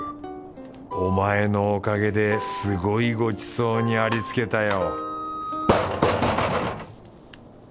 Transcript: お前のおかげですごいごちそうにありつけたよ